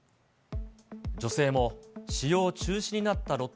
女性も使用中止になったロッ